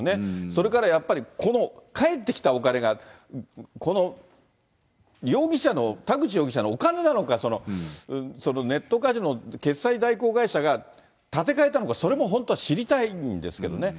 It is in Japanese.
それからやっぱり、この返ってきたお金が、この容疑者の、田口容疑者のお金なのか、ネットカジノの決済代行業者が立て替えたのか、それも本当は知りたいんですけどね。